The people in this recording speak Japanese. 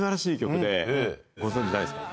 ご存じないですか？